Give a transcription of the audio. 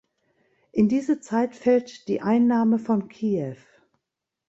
In diese Zeit fällt die Einnahme von Kiew.